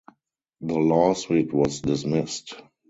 The lawsuit was dismissed.